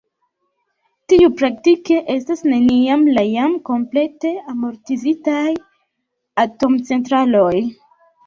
Tiu praktike estas neniam la jam komplete amortizitaj atomcentraloj.